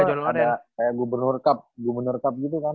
jadi lu pas itu iya gue ada kayak gubernur cup gitu kan